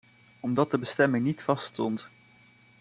Omdat de bestemming niet vaststond.